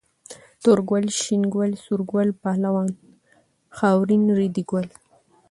تور ګل، شين ګل، سور ګل، پهلوان، خاورين، ريدي ګل